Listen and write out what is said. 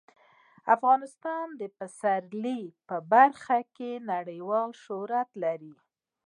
افغانستان د پسرلی په برخه کې نړیوال شهرت لري.